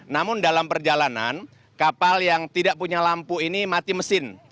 namun dalam perjalanan kapal yang tidak punya lampu ini mati mesin